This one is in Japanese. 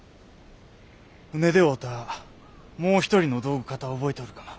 船で会うたもう一人の道具方を覚えておるか？